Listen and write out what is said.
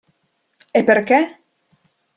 E perché?